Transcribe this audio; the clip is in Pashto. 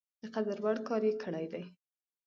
د قدر وړ کار یې کړی دی.